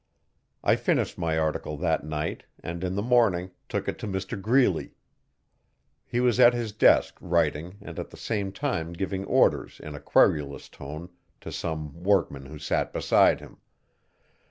I finished my article that night and, in the morning, took it to Mr Greeley. He was at his desk writing and at the same time giving orders in a querulous tone to some workman who sat beside him.